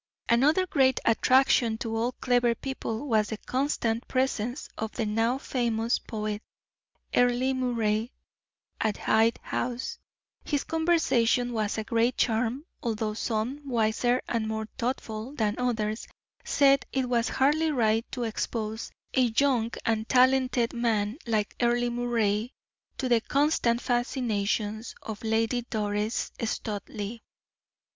Another great attraction to all clever people was the constant presence of the now famous poet, Earle Moray, at Hyde House. His conversation was a great charm, although some, wiser and more thoughtful than others, said it was hardly right to expose a young and talented man like Earle Moray to the constant fascinations of Lady Doris Studleigh.